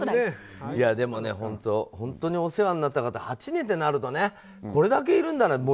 でも、本当にお世話になった方８年ってなるとこれだけいるんだな。